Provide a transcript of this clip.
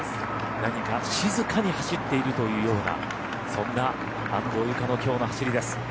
何か静かに走っているというようなそんな安藤友香のきょうの走りです。